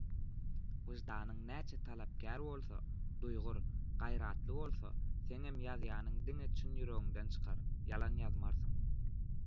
Wyjdanyň näçe talapkär bolsa, duýgur, gaýratly bolsa, seňem ýazýanyň diňe çynýüregiňden çykar, ýalan ýazmarsyň.